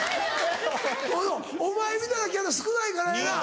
お前みたいなキャラ少ないからやな